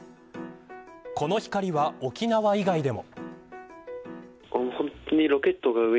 この光は、沖縄以外でも。